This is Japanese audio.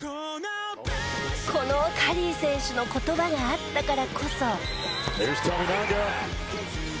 このカリー選手の言葉があったからこそ。